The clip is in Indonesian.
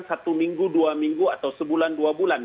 satu minggu dua minggu atau sebulan dua bulan